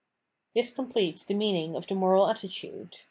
This completes the meaning of the moral attitude.